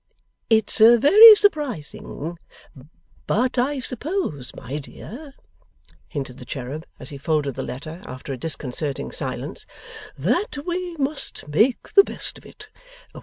'It's very surprising. But I suppose, my dear,' hinted the cherub, as he folded the letter after a disconcerting silence, 'that we must make the best of it?